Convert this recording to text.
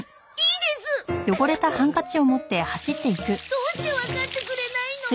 どうしてわかってくれないの？